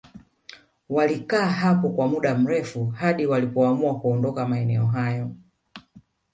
Walikaa hapo kwa muda mrefu hadi walipoamua kuondoka maeneo hayo